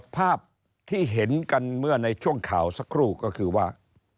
ภาพที่เห็นกันเมื่อในช่วงข่าวสักครู่ก็คือว่า